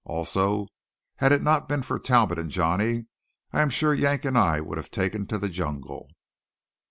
Also, had it not been for Talbot and Johnny, I am sure Yank and I would have taken to the jungle.